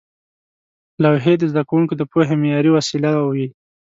لوحې د زده کوونکو د پوهې معیاري وسیله وې.